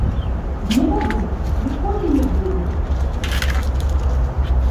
Не буду, ніколі не буду!